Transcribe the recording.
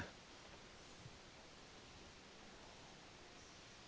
kemudian anda akan dihantarkan untuk menuju ke meja penelitian